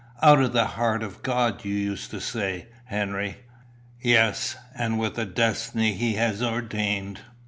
"'Out of the heart of God,' you used to say, Henry. Yes, and with a destiny he had ordained.